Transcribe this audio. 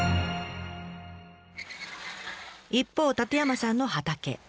一方舘山さんの畑。